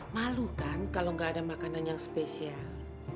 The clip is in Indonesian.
malu kan kalau nggak ada makanan yang spesial